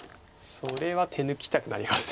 それは手抜きたくなります。